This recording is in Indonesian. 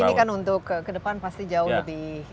ini kan untuk ke depan pasti jauh lebih